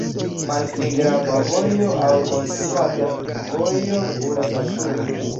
Malpli grava vojo aŭ konstruata vojo kuras al sudo.